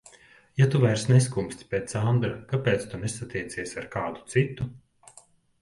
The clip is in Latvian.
Ja tu vairs neskumsti pēc Andra, kāpēc tu nesatiecies ar kādu citu?